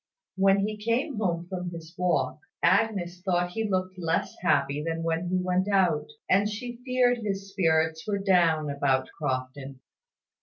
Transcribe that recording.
When he came home from his walk, Agnes thought he looked less happy than when he went out; and she feared his spirits were down about Crofton.